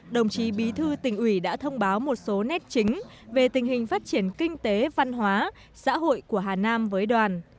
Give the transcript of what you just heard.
đồng chí bí thư tỉnh ủy đã thông báo một số nét chính về tình hình phát triển kinh tế văn hóa xã hội của hà nam với đoàn